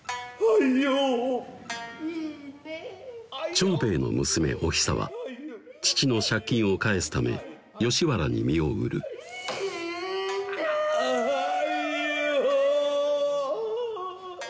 長兵衛の娘・お久は父の借金を返すため吉原に身を売る「いいねぇ」「あいよ」